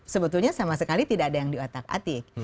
sebetulnya sama sekali tidak ada yang diutak atik